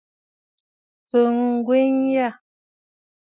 Tsɔʼɔ ŋgwen yâ.